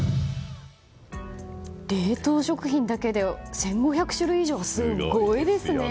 冷凍食品だけで１５００種類以上はすごいですよね。